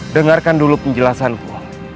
dengarkan dulu penjelasanku